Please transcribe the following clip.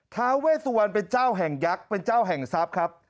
ท้าเวสวรรณเป็นเจ้าแห่งยักษ์เป็นเจ้าแห่งทรัพย์ครับ